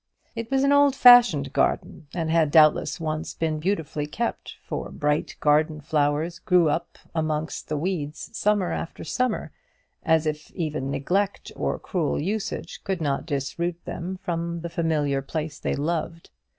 It was an old fashioned garden, and had doubtless once been beautifully kept; for bright garden flowers grew up amongst the weeds summer after summer, as if even neglect or cruel usage could not disroot them from the familiar place they loved.